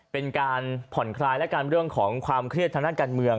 เป็นการผ่อนคลายและกันเรื่องของความเครียดทางด้านการเมือง